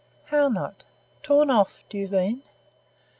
"How not? Torn off, do you mean?"